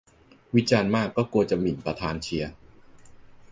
วิจารณ์มากก็กลัวจะหมิ่นประธานเชียร์